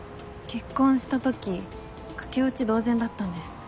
結婚したとき駆け落ち同然だったんです。